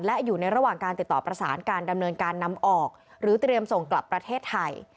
และอยู่ในระหว่างการติดต่อประสานการดำเนินการนำออกหรือเตรียมส่งกลับประเทศไทย